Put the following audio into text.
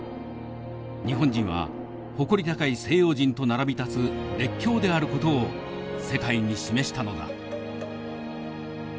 日本人は誇り高い西洋人と並び立つ列強である事を世界に示したのだ」。